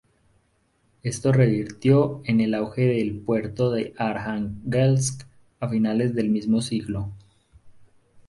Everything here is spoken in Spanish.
Esto revirtió en el auge del puerto de Arjángelsk a finales del mismo siglo.